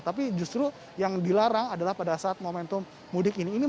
tapi justru yang dilarang adalah pada saat momentum mudik ini